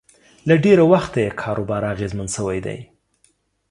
له ډېره وخته یې کاروبار اغېزمن شوی دی